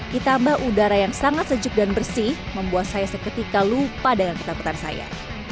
ditambah udara yang sangat sejuk dan bersih membuat saya seketika lupa dengan ketakutan saya